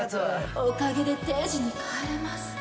おかげで定時に帰れます。